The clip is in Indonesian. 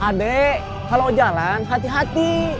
adek kalau jalan hati hati